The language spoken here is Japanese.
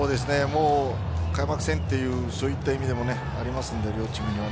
開幕戦という意味でもありますので、両チームには